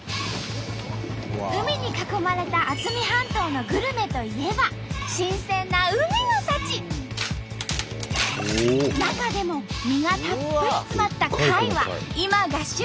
海に囲まれた渥美半島のグルメといえば新鮮な中でも身がたっぷり詰まった貝は今が旬！